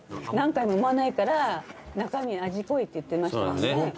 何回も産まないから中身味濃いって言ってましたもんね。